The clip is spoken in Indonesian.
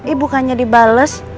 eh bukannya dibales